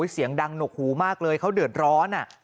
เสียงดังหนกหูมากเลยเขาเดือดร้อน